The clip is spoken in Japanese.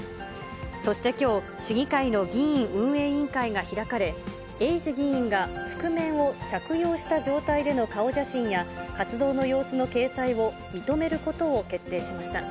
そしてきょう、市議会の議会運営委員会が開かれ、エイジ議員が覆面を着用した状態での顔写真や、活動の様子の掲載を認めることを決定しました。